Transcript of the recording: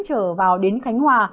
trở vào đến khánh hòa